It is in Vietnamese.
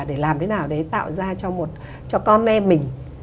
để làm thế nào để tạo ra cho con em mình